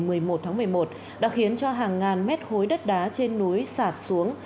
mưa lớn xảy ra từ ngày một mươi một tháng một mươi một đã khiến cho hàng ngàn mét hối đất đá trên núi sạt xuống